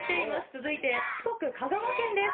続いて、四国・香川県です。